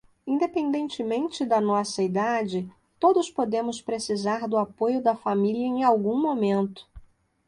Independentemente da nossa idade, todos podemos precisar do apoio da família em algum momento.